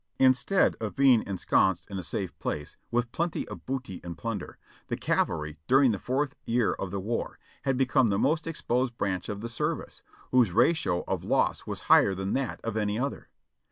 Instead of being ensconced in a safe place, with plenty of booty and plunder, the cavalry, during the fourth year of the war, had become the most exposed branch of the service, whose ratio of loss was higher than that of any other.